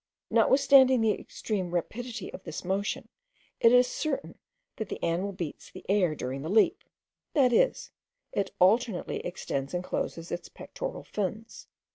Notwithstanding the extreme rapidity of this motion, it is certain, that the animal beats the air during the leap; that is, it alternately extends and closes its pectoral fins.